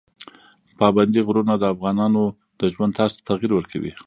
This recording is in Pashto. پابندي غرونه د افغانانو د ژوند طرز ته تغیر ورکوي.